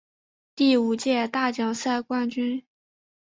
第五届大奖赛冠军。